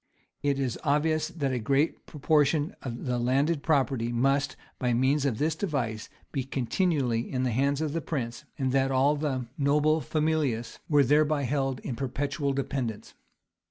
It is obvious that a great proportion of the landed property must, by means of this device, be continually in the hands of the prince, and that all the noble familius were thereby held in perpetual dependence.